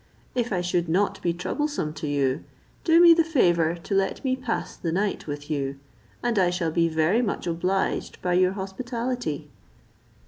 If I should not be troublesome to you, do me the favour to let me pass the night with you, and I shall be very much obliged by your hospitality."